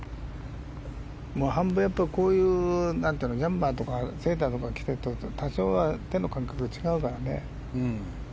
こういうヤンマーとかセーターとか着ていると多少は手の感覚が違うからね。